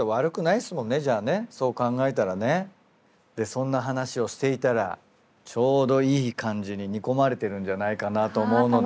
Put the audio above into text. そんな話をしていたらちょうどいい感じに煮込まれてるんじゃないかなと思うので。